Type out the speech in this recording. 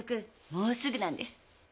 もうすぐなんです。